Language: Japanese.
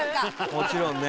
もちろんね。